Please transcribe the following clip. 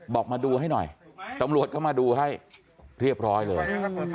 บอกมาดูให้หน่อยตำรวจเข้ามาดูให้เรียบร้อยเลย